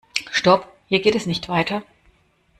Stopp! Hier geht es nicht weiter.